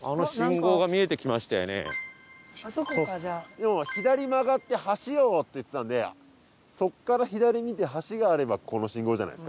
でも左曲がって橋をって言ってたんでそこから左見て橋があればこの信号じゃないですか。